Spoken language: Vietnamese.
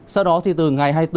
sau đó thì từ ngày hai mươi bốn